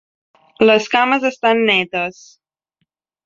Les cames estan netes.